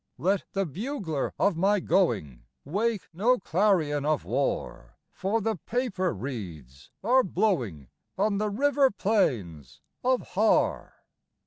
"Let the bugler of my going Wake no clarion of war; For the paper reeds are blowing On the river plains of Har."